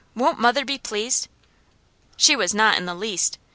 Won't mother be pleased?" She was not in the least.